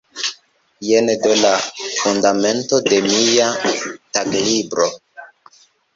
Jen do la fundamento de mia taglibro“.